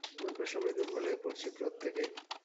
আমরা সবাই দুর্বল হয়ে পড়ছি, প্রত্যেকেই।